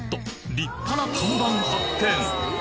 立派な看板発見！